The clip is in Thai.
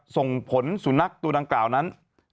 ส่งผลสูญนักตัวดังเก่านั้น